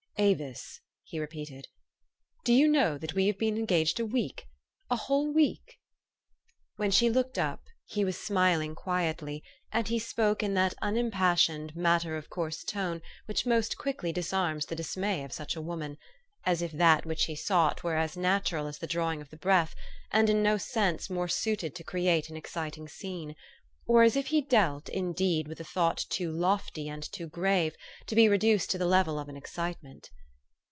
"Avis," he repeated, "do you know that we have been engaged a week a whole week ?'' When she looked up, he was smiling quietly, and he spoke in that unimpassioned, matter of course tone which most quickly disarms the dismay of such a woman ; as if that which he sought were as natural as the drawing of the breath, and in no sense more suited to create an exciting scene ; or as if he dealt, indeed, with a thought too lofty and too grave to be reduced to the level of an excitement.